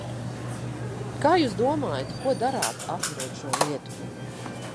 Kā jūs domājat, ko darāt, atverot šo lietu?